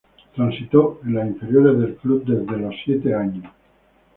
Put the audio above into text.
Transitó en las inferiores del club desde los siete años.